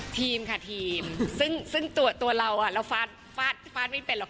ทีมค่ะทีมซึ่งตัวเราเราฟาดฟาดไม่เป็นหรอก